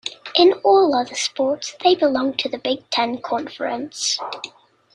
In all other sports, they belong to the Big Ten Conference.